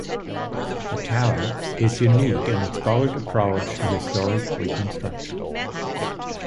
The tower is unique in its bold approach to historic reconstruction.